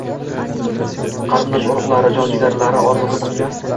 Qarindosh-urugʻlari, jon-jigarlari orziqib kutgan